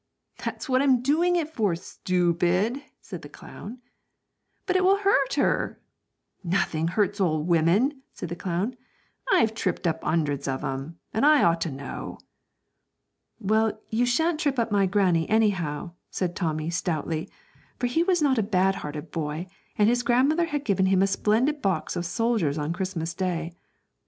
'That's what I'm doing it for, stoopid,' said the clown. 'But it will hurt her,' he cried. 'Nothing hurts old women,' said the clown; 'I've tripped up 'undreds of 'em, and I ought to know.' 'Well, you shan't trip up my granny, anyhow,' said Tommy, stoutly; for he was not a bad hearted boy, and his grandmother had given him a splendid box of soldiers on Christmas Day.